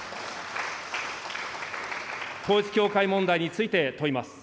統一教会問題について問います。